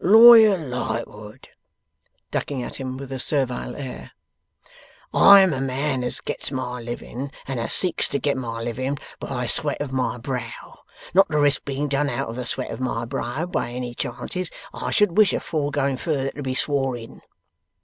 'Lawyer Lightwood,' ducking at him with a servile air, 'I am a man as gets my living, and as seeks to get my living, by the sweat of my brow. Not to risk being done out of the sweat of my brow, by any chances, I should wish afore going further to be swore in.